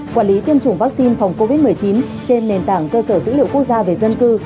quản lý tiêm chủng vaccine phòng covid một mươi chín trên nền tảng cơ sở dữ liệu quốc gia về dân cư